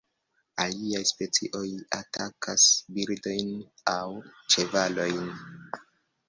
Aliaj specioj atakas birdojn aŭ ĉevalojn.